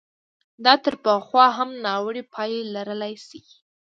دا تر پخوا هم ناوړه پایلې لرلای شي.